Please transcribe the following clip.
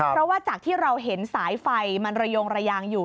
เพราะว่าจากที่เราเห็นสายไฟมันระยงระยางอยู่